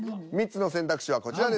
３つの選択肢はこちらです。